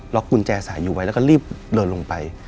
กุญแจสายอยู่ไว้แล้วก็รีบเดินลงไป